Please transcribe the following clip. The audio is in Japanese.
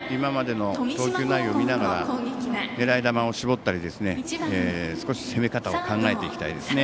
二回り目見て今までの投球内容を見ながら狙い球を絞ったり、少し攻め方を考えて行きたいですね。